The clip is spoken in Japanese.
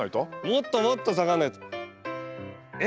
もっともっと下がんないと。え？